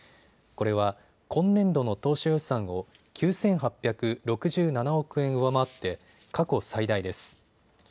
これは、今年度の当初予算を９８６７億円上回って過去最大です。